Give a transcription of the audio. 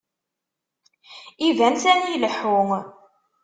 Iban sani ileḥḥu..